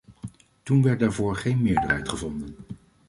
Toen werd daarvoor geen meerderheid gevonden.